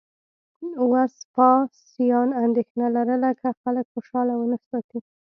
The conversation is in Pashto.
وسپاسیان اندېښنه لرله که خلک خوشاله ونه ساتي